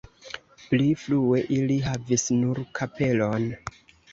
Pli frue ili havis nur kapelon.